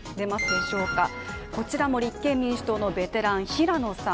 こちらも立憲民主党のベテラン平野さん。